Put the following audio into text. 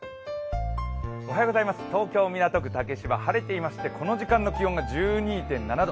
東京・港区竹芝、晴れていましてこの時間の気温が１２．７度。